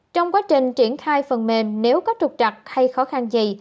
trong quá trình triển khai phần mềm nếu có trục trặc hay khó khăn gì